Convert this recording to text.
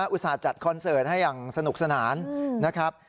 อุตส่าห์จัดคอนเสิร์ตให้อย่างสนุกสนานนะครับ